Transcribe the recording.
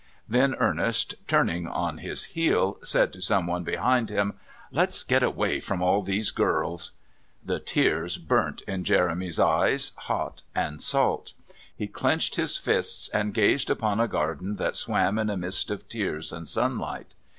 Then Ernest, turning on his heel, said to someone behind him: "Let's get away from all these girls!" The tears burnt in Jeremy's eyes, hot and salt. He clenched his fists and gazed upon a garden that swam in a mist of tears and sunlight.